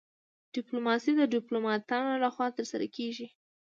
ډیپلوماسي د ډیپلوماتانو لخوا ترسره کیږي